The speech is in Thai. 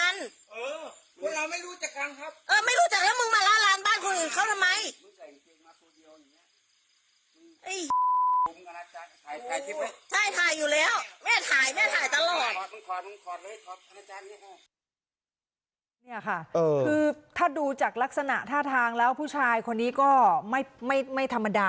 นี่ค่ะคือถ้าดูจากลักษณะท่าทางแล้วผู้ชายคนนี้ก็ไม่ธรรมดา